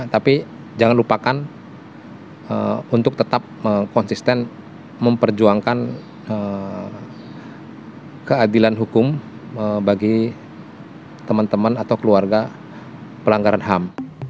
tapi jangan lupakan untuk tetap konsisten memperjuangkan keadilan hukum bagi teman teman atau keluarga pelanggaran ham